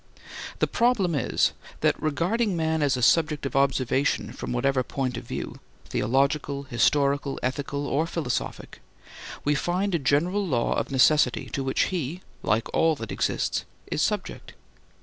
The problem is that regarding man as a subject of observation from whatever point of view—theological, historical, ethical, or philosophic—we find a general law of necessity to which he (like all that exists) is subject.